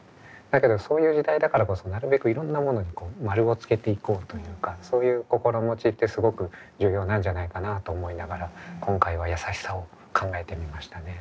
だけどそういう時代だからこそなるべくいろんなものに丸をつけていこうというかそういう心持ちってすごく重要なんじゃないかなと思いながら今回はやさしさを考えてみましたね。